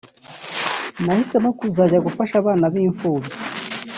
Nahisemo kuzajya gufasha abana b’imfubyi